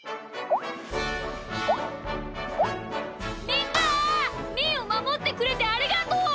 みんなみーをまもってくれてありがとう！